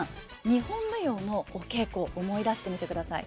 日本舞踊のお稽古思い出してみてください。